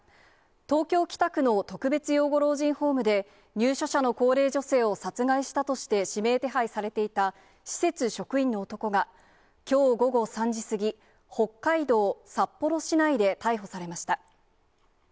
東京・北区の特別養護老人ホームで、入所者の高齢女性を殺害したとして指名手配されていた、施設職員の男が、きょう午後３時過ぎ、北海道札幌市内で逮捕されました。